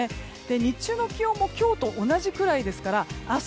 日中の気温も今日と同じくらいですから明日